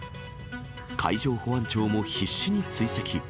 海上保安庁も必死に追跡。